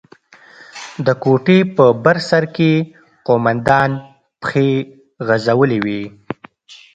د کوټې په بر سر کښې قومندان پښې غځولې وې.